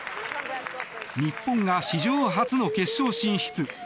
日本が史上初の決勝進出。